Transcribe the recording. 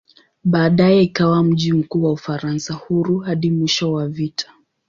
Baadaye ikawa mji mkuu wa "Ufaransa Huru" hadi mwisho wa vita.